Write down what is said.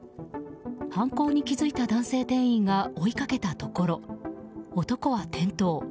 犯行に気付いた男性店員が追いかけたところ、男は転倒。